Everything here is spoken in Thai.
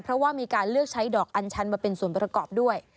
เพราะว่ามีการเลือกใช้ดอกอัญชันมาเป็นส่วนประกอบด้วย